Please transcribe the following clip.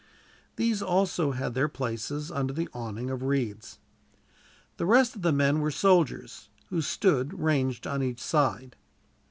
These also had their places under the awning of reeds. The rest of the men were soldiers, who stood ranged on each side.